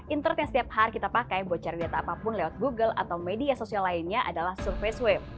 internet yang setiap hari kita pakai buat cari data apapun lewat google atau media sosial lainnya adalah survei swab